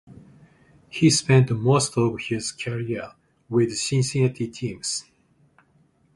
He spent most of his career with Cincinnati teams.